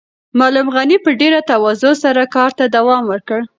معلم غني په ډېره تواضع سره کار ته دوام ورکړ.